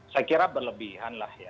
saya kira berlebihan lah ya